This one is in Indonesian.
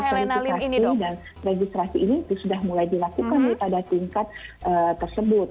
nah tentunya proses verifikasi dan registrasi ini sudah mulai dilakukan pada tingkat tersebut